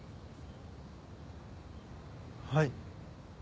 はい。